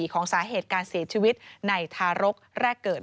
ของสาเหตุการเสียชีวิตในทารกแรกเกิด